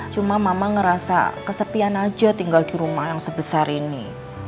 cuma mama ngerasa kesepian aja tinggal di rumah yang sebesar ini